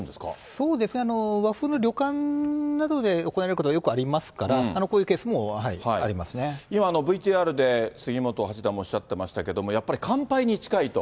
そうですね、和風の旅館などで行われることはよくありますか今、ＶＴＲで杉本八段もおっしゃってましたけれども、やっぱり完敗に近いと。